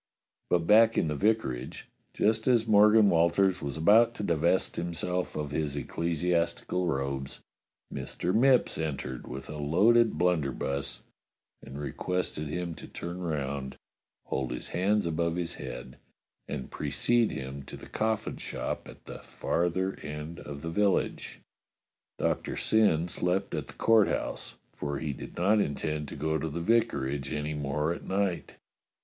But back in the vicarage, just as Morgan Walters was about to divest himself of his ecclesiastical robes, Mr. Mipps entered with a loaded blunderbuss and re quested him to turn round, hold his hands above his head, and precede him to the coffin shop at the farther end of the village. Doctor Syn slept at the Court House, for he did not intend to go to the vicarage any more at night.